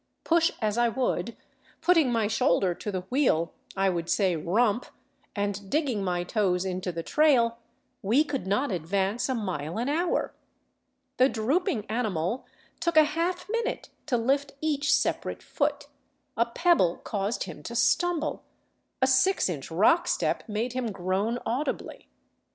Push as I would, putting my shoulder to the wheel — I would say rump — and digging my toes into the trail, we could not advance a mile an hour. The drooping anirnal took a half minute to lift each separate foot, a pebble caused him to stumble, a six inch rock step made him groan audibly.